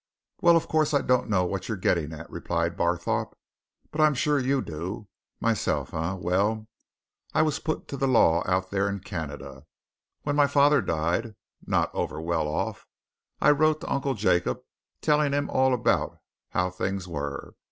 "Well, of course, I don't know what you're getting at," replied Barthorpe. "But I'm sure you do. Myself, eh? Well, I was put to the Law out there in Canada. When my father died not over well off I wrote to Uncle Jacob, telling him all about how things were.